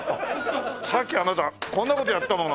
さっきあなたこんな事やったもの。